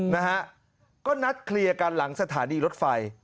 นะฮะก็นัดเคลียร์กันหลังสถานีรถไฟ